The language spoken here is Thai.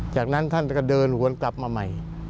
จากนั้นท่านก็เดินวนกลับมาใหม่